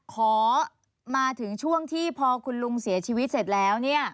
ขอมาถึงช่วงที่พอคุณลุงเสียชีวิตเสร็จแล้ว